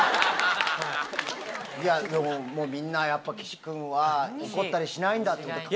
もうみんなやっぱ岸君は怒ったりしないんだって。